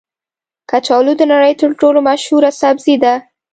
کچالو د نړۍ تر ټولو مشهوره سبزي ده